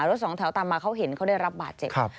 รถสองแถวตามมาเขาเห็นเขาได้รับบาดเจ็บ